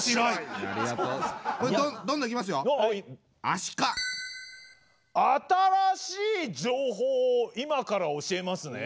新しい情報を今から教えますね。